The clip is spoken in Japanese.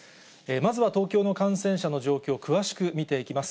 まずは東京の感染者の状況、詳しく見ていきます。